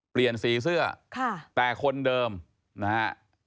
เปลี่ยนสีเสื้อแต่คนเดิมนะฮะ